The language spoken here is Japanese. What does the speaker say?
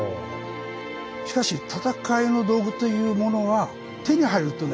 しかし戦いの道具というものは手に入るとね